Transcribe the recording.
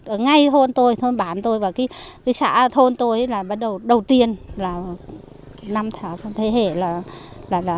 ở ngay thôn tôi thôn bán tôi và cái xã thôn tôi là đầu tiên là năm tháng trong thế hệ là